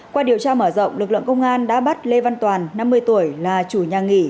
qua điều tra mở rộng lực lượng công an đã bắt lê văn toàn năm mươi tuổi là chủ nhà nghỉ